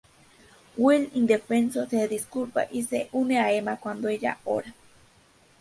Will, indefenso, se disculpa, y se une a Emma cuando ella ora.